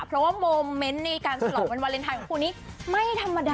เพราะว่าโมเมนต์ในการฉลองวันวาเลนไทยของคู่นี้ไม่ธรรมดา